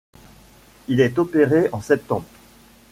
Il est opéré en septembre.